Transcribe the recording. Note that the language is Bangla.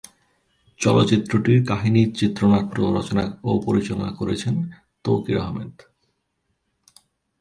চলচ্চিত্রটির কাহিনি, চিত্রনাট্য রচনা ও পরিচালনা করছেন তৌকির আহমেদ।